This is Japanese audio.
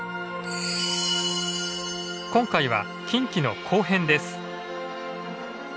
今回は近畿の後編です。